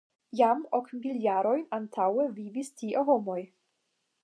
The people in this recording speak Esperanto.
Jam ok mil jarojn antaŭe vivis tie homoj.